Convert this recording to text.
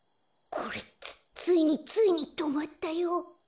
これつついについにとまったよ。